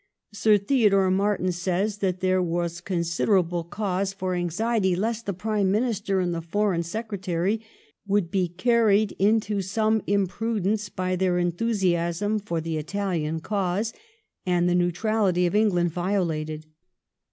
Sir Theodore Martin says that there was considerable cause for anxiety lest the Prime Minister and the Foreign Secre tary would be carried into some imprudence by their enthusiasm for the Italian cause," and the neutrality of England violated.